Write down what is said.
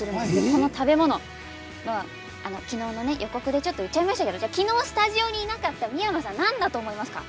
この食べ物、昨日の予告でちょっと言っちゃいましたが昨日、スタジオにいなかった三山さん、何だと思いますか？